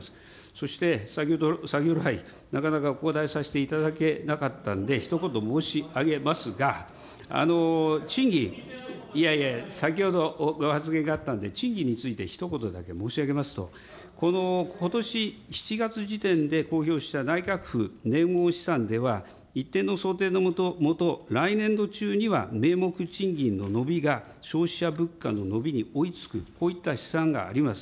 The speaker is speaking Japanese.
そして、先ほど来、なかなかお答えさせていただけなかったので、ひと言申し上げますが、賃金、いやいや、先ほど、ご発言があったんで、賃金についてひと言だけ申し上げますと、このことし７月時点で、公表した内閣府試算では一定の想定の下、来年度中には、名目賃金の伸びが消費者物価の伸びに追いつく、こういった試算があります。